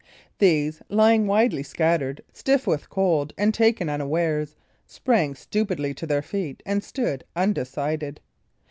These, lying widely scattered, stiff with cold, and taken at unawares, sprang stupidly to their feet, and stood undecided.